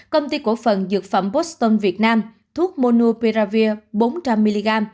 công ty cổ phần dược phẩm boston việt nam thuốc monopiravir bốn trăm linh mg